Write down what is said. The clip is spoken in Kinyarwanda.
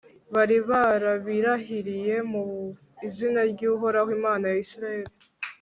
bari barabirahiriye mu izina ry'uhoraho, imana ya israheli